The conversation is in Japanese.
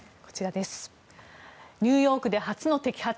ニューヨークで初の摘発。